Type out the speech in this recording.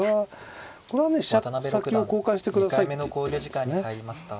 これは飛車先を交換してくださいって言ってんですね。